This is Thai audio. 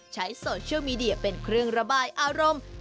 ใช้โซเชียลมีเดียเป็นเครื่องระบายอารมณ์